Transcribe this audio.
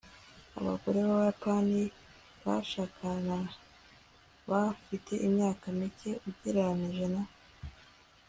Abagore bAbayapani bashakana bafite imyaka mike ugereranije